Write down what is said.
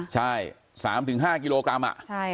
ใช่๓๕กิโลกรัม